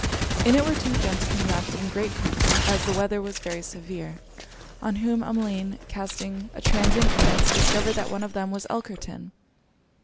In it were two gentlemen wrapped in great coats, as the weather was very severe; on whom Emmeline casting a transient glance, discovered that one of them was Elkerton.